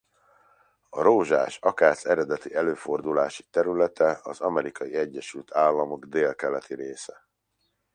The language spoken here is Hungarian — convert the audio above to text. A rózsás akác eredeti előfordulási területe az Amerikai Egyesült Államok délkeleti része.